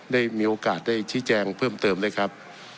ได้มีโอกาสได้ชี้แจงเพิ่มเติมด้วยครับ